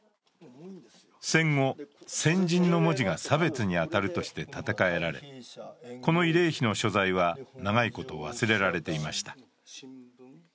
戦後、鮮人の文字が差別に当たるとして立て替えられ、この慰霊碑の所在は長いこと忘れられていました。